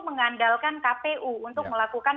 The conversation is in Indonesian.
mengandalkan kpu untuk melakukan